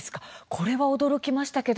これは驚きました。